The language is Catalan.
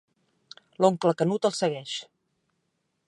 L'oncle Canut el segueix.